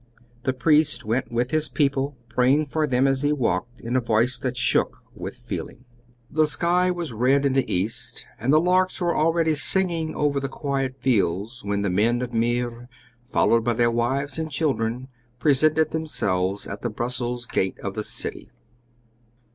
The priest went with his people, praying for them as he walked, in a voice that shook with feeling. The sky was red in the east and the larks were already singing over the quiet fields when the men of Meer, followed by their wives and children, presented themselves at the Brussels gate of the city.